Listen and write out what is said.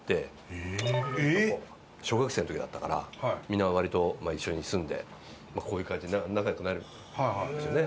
小学生の時だったからみんな割と一緒に住んでこういう感じで仲良くなるんですよね。